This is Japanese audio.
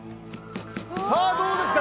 さぁどうですか？